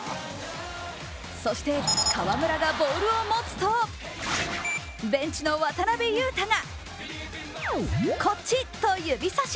そして河村がボールを持つとベンチの渡邊雄太がこっちと指さし。